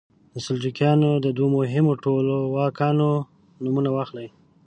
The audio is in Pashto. د سلجوقیانو د دوو مهمو ټولواکانو نومونه واخلئ.